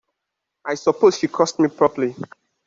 I suppose she cursed me properly?